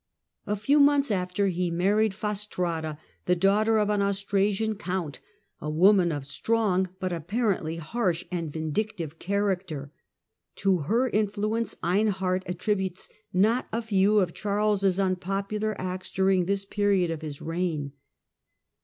A few months after, he married Fastrada, the daughter of an Australian count, a woman of strong but apparently harsh and vindictive character. To her influence Einhard attributes not a few of Charles' un popular acts during this period of his reign.